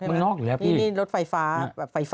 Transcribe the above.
หรืออะไร